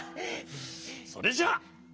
それじゃあ。